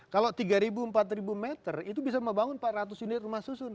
kalau tiga ribu empat ribu meter itu bisa membangun empat ratus unit rumah susun